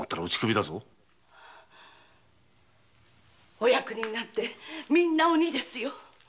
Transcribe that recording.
お役人なんてみんな鬼ですよ。